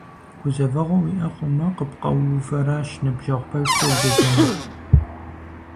Гузэвэгъуэ уиӀэ хъумэ, къыпкъуэувэращ ныбжьэгъу пэжкӀэ узэджэнур.